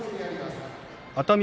熱海